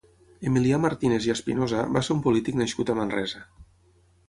Emilià Martínez i Espinosa va ser un polític nascut a Manresa.